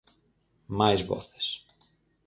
Máis voces.